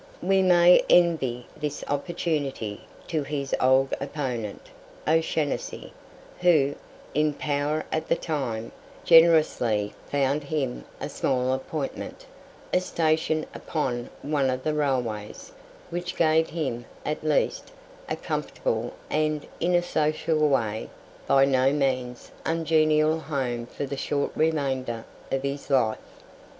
We may envy this opportunity to his old opponent, O'Shanassy, who, in power at the time, generously found him a small appointment a station upon one of the railways which gave him, at least, a comfortable, and, in a social way, by no means ungenial home for the short remainder of his life.